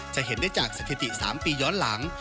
จะเห็นได้จากสถิติ๓ปีย้อนหลัง